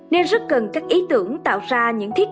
nên rất cần các ý tưởng tạo ra những thiết